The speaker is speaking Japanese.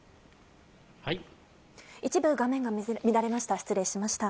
一部画面が乱れました。